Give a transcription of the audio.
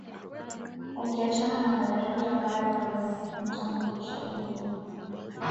Ukiachana na madaraja ambayo yamemtambulisha vilivyo